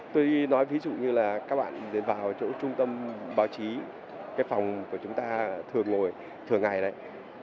tôi nói ví dụ như là các bạn đến vào chỗ trung tâm báo chí cái phòng của chúng ta thường ngồi thường ngày đấy